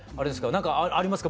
何かありますか？